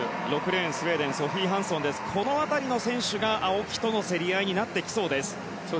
６レーン、スウェーデンソフィー・ハンソンこの辺りの選手が青木との競り合いになってきそうです。